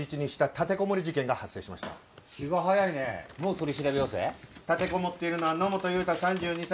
立てこもっているのは野本雄太３２歳。